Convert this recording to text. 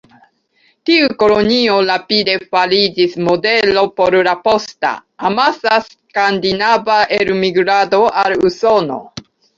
Tiu kolonio rapide fariĝis modelo por la posta, amasa skandinava elmigrado al Usono.